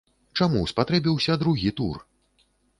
Чаму спатрэбіўся другі тур?